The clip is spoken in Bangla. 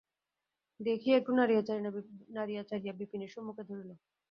দেখিয়া একটু নাড়িয়া চাড়িয়া বিপিনের সম্মুখে ধরিল।